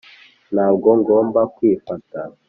ntabwo ngomba kwifata.